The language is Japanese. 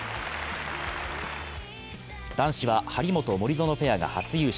男子は張本・森薗ペアが初優勝。